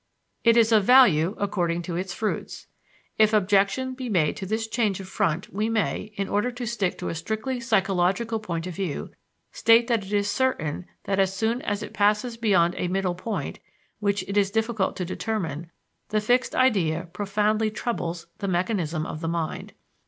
It is of value according to its fruits. If objection be made to this change of front we may, in order to stick to a strictly psychological point of view, state that it is certain that as soon as it passes beyond a middle point, which it is difficult to determine, the fixed idea profoundly troubles the mechanism of the mind.